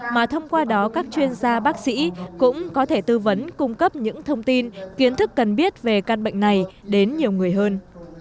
mà thông qua đó các chuyên gia bác sĩ cũng có thể tư vấn cung cấp những thông tin kiến thức cần biết về căn bệnh này đến nhiều người hơn